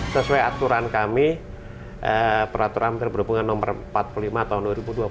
sesuai aturan kami peraturan menteri perhubungan no empat puluh lima tahun dua ribu dua puluh